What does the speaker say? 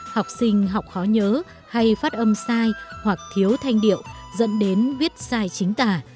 học sinh học khó nhớ hay phát âm sai hoặc thiếu thanh điệu dẫn đến viết sai chính tả